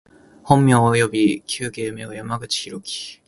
本名および旧芸名は、山口大樹（やまぐちひろき）